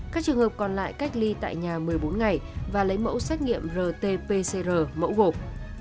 các trường hợp còn lại cách ly tại nhà một mươi bốn ngày và lấy mẫu xét nghiệm rt pcr mẫu gộp